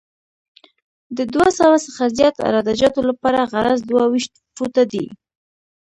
د دوه سوه څخه زیات عراده جاتو لپاره عرض دوه ویشت فوټه دی